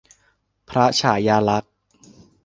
พระฉายาลักษณ์